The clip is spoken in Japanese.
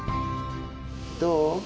どう？